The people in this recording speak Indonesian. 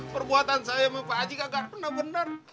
perbuatan saya sama pak aji kagak benar benar